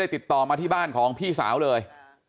ติดต่อมาที่บ้านของพี่สาวเลย